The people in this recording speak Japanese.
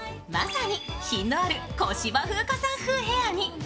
まさに品のある小芝風花風さん風ヘアに。